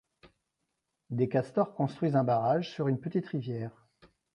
Des castors construisent un barrage sur une petite rivière.